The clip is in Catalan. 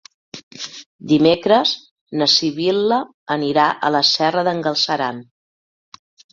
Dimecres na Sibil·la anirà a la Serra d'en Galceran.